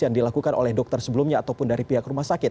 yang dilakukan oleh dokter sebelumnya ataupun dari pihak rumah sakit